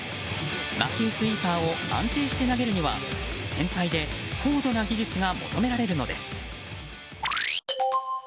魔球スイーパーを安定して投げるには繊細で高度な技術が求められるのです。